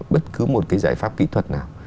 bất cứ một cái giải pháp kỹ thuật nào